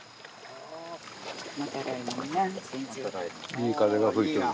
いい風が吹いとる。